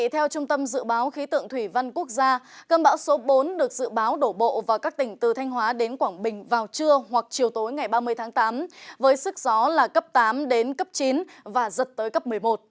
theo trung tâm dự báo khí tượng thủy văn quốc gia cơn bão số bốn được dự báo đổ bộ vào các tỉnh từ thanh hóa đến quảng bình vào trưa hoặc chiều tối ngày ba mươi tháng tám với sức gió là cấp tám đến cấp chín và giật tới cấp một mươi một